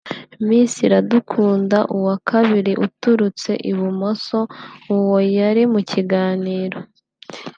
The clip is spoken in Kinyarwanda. Miss Iradukunda (Uwa kabiri uturutse i Bumuso) ubwo yari mu kiganiro